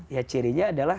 ya cirinya adalah